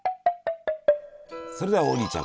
それでは王林ちゃん